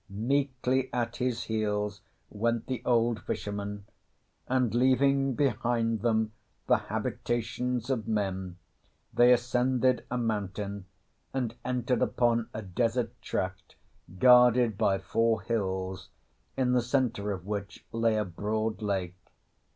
Meekly at his heels went the old fisherman, and leaving behind them the habitations of men they ascended a mountain and entered upon a desert tract guarded by four hills, in the centre of which lay a broad lake.